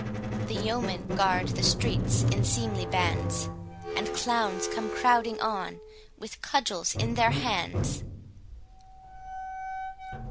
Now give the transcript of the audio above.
The yeomen guard the streets in seemly bands; And clowns come crowding on, with cudgels in their hands.